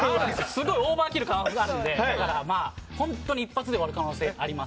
すごいオーバーキルの可能性があるので本当に一発で終わる可能性があります。